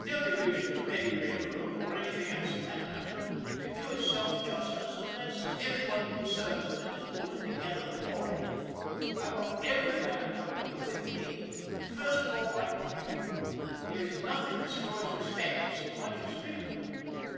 No division of any railroad, or anything else for that matter, can do itself justice unless everyone connected with it is pulling to gether for it. I want every man out here with me, and first of all I want you. There is nothing destroys respect so much as ridicule.